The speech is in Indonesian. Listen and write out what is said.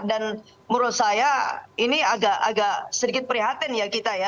dan menurut saya ini agak sedikit prihatin ya kita ya